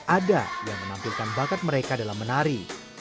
ada yang menampilkan bakat mereka dalam menari